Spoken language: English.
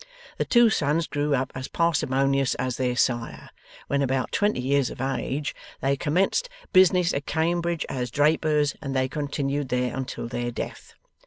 The two sons grew up as parsimonious as their sire. When about twenty years of age, they commenced business at Cambridge as drapers, and they continued there until their death.